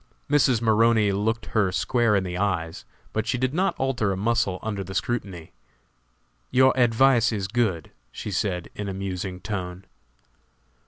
Mrs. Maroney looked her square in the eyes, but she did not alter a muscle under the scrutiny. "Your advice is good," she said, in a musing tone.